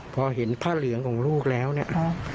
พอเห็นผ้าเหลืองของลูกแล้วเนี่ย